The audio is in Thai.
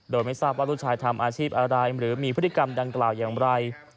โดยไม่ทราบว่าลูกชายทำอาชีพอะไรหรือมีพฤติกรรมดังกล่าวอย่างไร